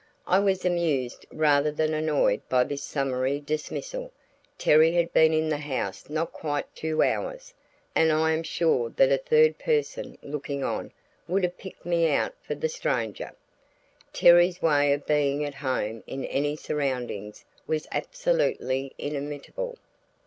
I was amused rather than annoyed by this summary dismissal. Terry had been in the house not quite two hours, and I am sure that a third person, looking on, would have picked me out for the stranger. Terry's way of being at home in any surroundings was absolutely inimitable.